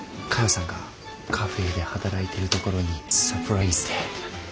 さんがカフェーで働いているところにサプライズで。